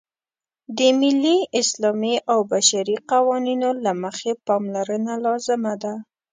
د ملي، اسلامي او بشري قوانینو له مخې پاملرنه لازمه ده.